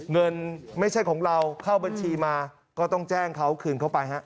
เงินไม่ใช่ของเราเข้าบัญชีมาก็ต้องแจ้งเขาคืนเข้าไปฮะ